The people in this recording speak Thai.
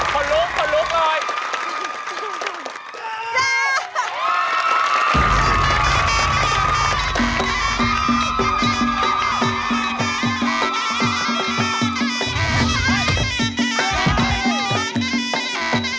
วาหฉโกะาว